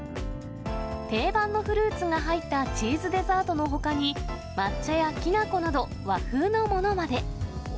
定番のフルーツが入ったチーズデザートのほかに、抹茶やきな粉など、和風のものまで。